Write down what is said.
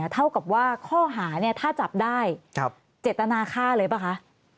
เท่ากับข้อหาถ้าจับได้เจ็ดตนาค่าเลยป่ะค่ะ